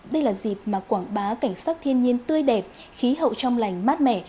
đây là dịp mà quảng bá cảnh sắc thiên nhiên tươi đẹp khí hậu trong lành mát mẻ